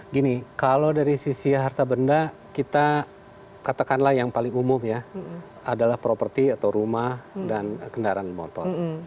gini kalau dari sisi harta benda kita katakanlah yang paling umum ya adalah properti atau rumah dan kendaraan motor